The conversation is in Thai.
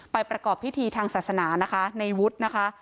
ประกอบพิธีทางศาสนานะคะในวุฒินะคะ